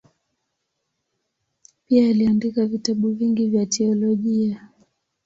Pia aliandika vitabu vingi vya teolojia.